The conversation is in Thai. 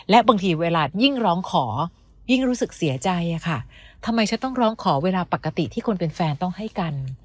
และบางทีเวลายิ่งร้องขอยิ่งรู้สึกเสียใจอะค่ะทำไมฉันต้องร้องขอเวลาปกติที่คนเป็นแฟนต้องให้กัน